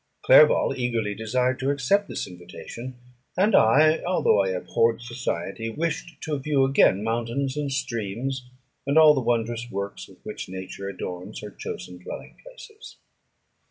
Clerval eagerly desired to accept this invitation; and I, although I abhorred society, wished to view again mountains and streams, and all the wondrous works with which Nature adorns her chosen dwelling places.